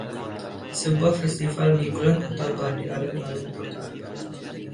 Sebuah festival di bulan Oktober di alun-alun kota.